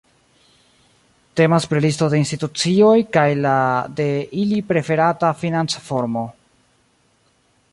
Temas pri listo de institucioj kaj la de ili preferata financformo.